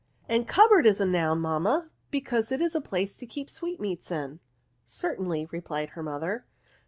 '^ And cupboard is a noun, mamma, be cause it is a place to keep sweetmeats in." Certainly," replied her mother.